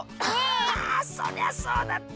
ああそりゃそうだ。